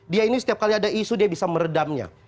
dia ini setiap kali ada isu dia bisa meredamnya